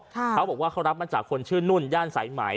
เขาบอกว่าเขารับมาจากคนชื่อนุ่นย่านสายไหม